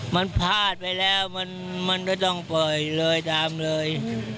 มันพลาดไปแล้วมันก็ต้องปล่อยเลยตามเลย